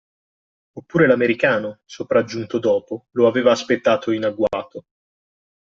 Oppure l'americano, sopraggiunto dopo, lo aveva aspettato in agguato?